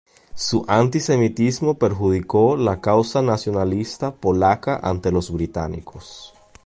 Su antisemitismo perjudicó la causa nacionalista polaca ante los británicos.